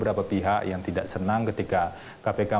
menjardanie pegarang atau pnb secara mengh pupilah terbenam